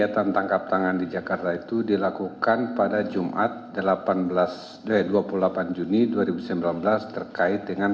dan yang paling penting untuk melakukan pengetahuan